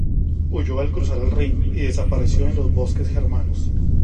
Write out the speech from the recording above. Huyó al cruzar el Rin y desapareció en los bosques germanos.